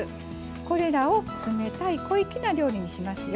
これらを冷たい小粋な料理にしますよ。